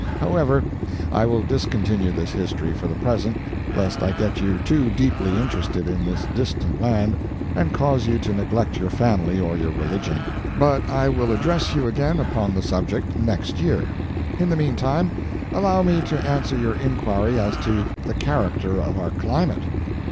However, I will discontinue this history for the present, lest I get you too deeply interested in this distant land and cause you to neglect your family or your religion. But I will address you again upon the subject next year. In the meantime, allow me to answer your inquiry as to the character of our climate.